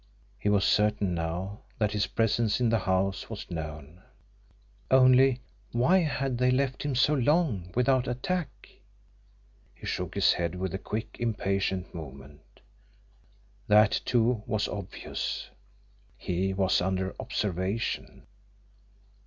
He was certain now that his presence in the house was known. Only, why had they left him so long without attack? He shook his head with a quick, impatient movement. That, too, was obvious! He was under observation.